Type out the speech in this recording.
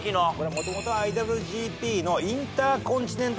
もともとはＩＷＧＰのインターコンチネンタル王座